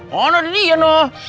mana dia noh